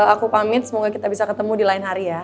aku pamit semoga kita bisa ketemu di lain hari ya